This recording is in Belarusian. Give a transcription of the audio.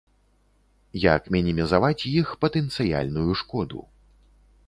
Як мінімізаваць іх патэнцыяльную шкоду.